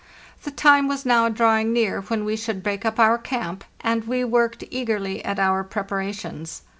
The time was now drawing near when we should break up our camp, and we worked eagerly at our preparations.